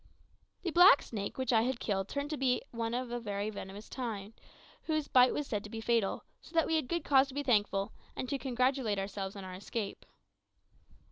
The black snake which I had killed turned out to be one of a very venomous kind, whose bite is said to be fatal, so that we had good cause to be thankful, and to congratulate ourselves on our escape.